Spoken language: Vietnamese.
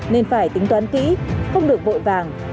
nên phải tính toán kỹ không được vội vàng